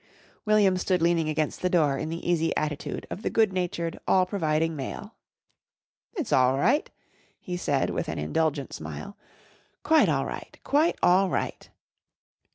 William stood leaning against the door in the easy attitude of the good natured, all providing male. "It's all right," he said with an indulgent smile. "Quite all right. Quite all right."